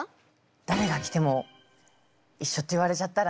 だれが着ても一緒って言われちゃったらな。